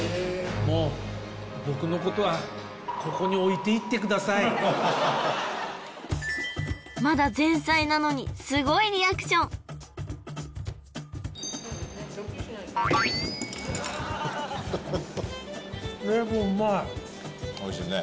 もう僕のことはまだ前菜なのにすごいリアクションおいしいね